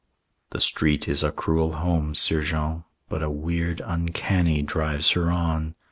"The street is a cruel home, 'Sieur Jean, But a weird uncanny drives her on.